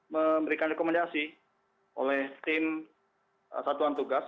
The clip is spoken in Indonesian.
memberikan rekomendasi oleh tim satuan tugas